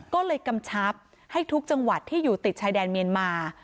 ก็เลยกำชับให้ทุกจังหวัดที่อยู่ติดชายแดนเมียนมา